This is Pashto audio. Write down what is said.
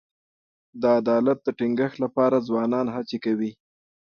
د عدالت د ټینګښت لپاره ځوانان هڅې کوي.